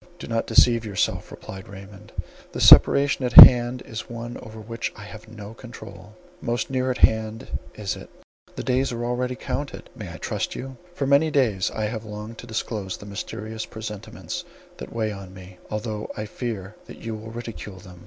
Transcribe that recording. "Do not deceive yourself," replied Raymond, "the separation at hand is one over which I have no control; most near at hand is it; the days are already counted. May I trust you? For many days I have longed to disclose the mysterious presentiments that weigh on me, although I fear that you will ridicule them.